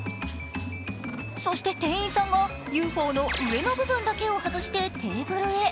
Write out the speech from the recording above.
そして店員さんがＵＦＯの上の部分だけを外してテーブルへ。